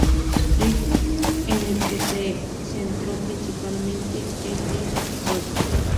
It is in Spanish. Right", en el que se centró principalmente en el episodio.